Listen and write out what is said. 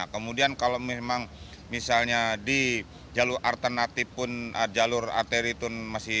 kemudian kalau memang misalnya di jalur alternatif pun jalur arteri pun masih